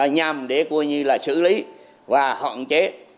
nhằm để cô nhi xử lý và họn chế